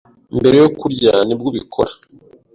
mbere yo kurya nibwo ubikora